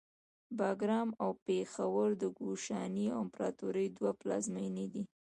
باګرام او پیښور د کوشاني امپراتورۍ دوه پلازمینې وې